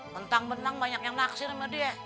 bentang benang banyak yang naksir sama dia